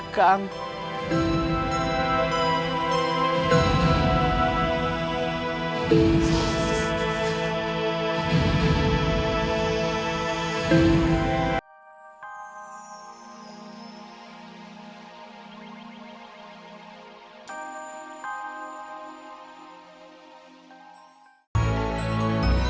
ketemu sama akang